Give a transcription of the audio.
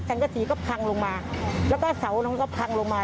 จังกะศรีก็พังลงมาแล้วก็เสาเราก็พังลงมา